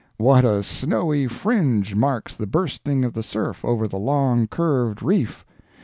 What a snowy fringe marks the bursting of the surf over the long, curved reef!